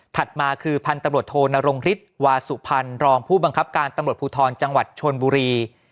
ถัดมาคือพตโธนรงฤทวาสุพันธ์รองผู้บังคับการตภูทรจังหวัดชวนบุรี